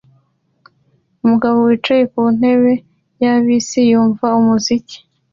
Umugabo wicaye ku ntebe ya bisi yumva umuziki